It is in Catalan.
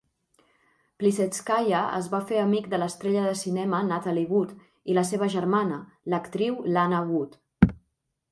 Plisetskaya es va fer amic de l'estrella de cinema Natalie Wood i la seva germana, l'actriu Lana Wood.